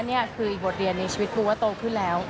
นี่คืออีกบทเรียนในชีวิตปูว่าโตขึ้นแล้ว